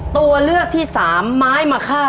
ตัวเลือกที่สามไม้มะค่า